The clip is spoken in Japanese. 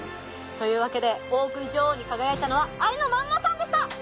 というわけで大食い女王に輝いたのはありのまんまさんでした！